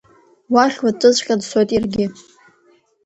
Уахь уаҵәыҵәҟьа дцоит иаргьы!